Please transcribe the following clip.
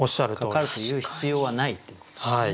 「かかる」と言う必要はないっていうことですね。